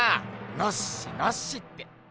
ノッシノッシって。